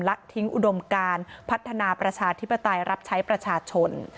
และทิ้งอุดมการพัฒนาประชาธิปไตยรับใช้ประชาชน